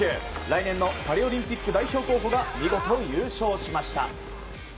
来年のパリオリンピック代表候補が見事、優勝しました。